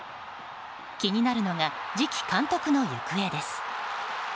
気になるのが次期監督の行方です。